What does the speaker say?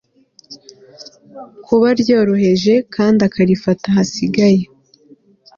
kuba ryoroheje kandi akarifata hasigaye